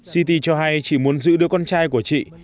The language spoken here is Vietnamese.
siti cho hay chị muốn giữ đứa con trai của chị